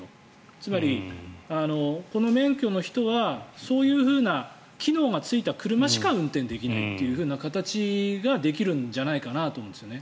つまりこの免許の人はそういうふうな機能がついた車しか運転できないという形ができるんじゃないかなと思うんですよね。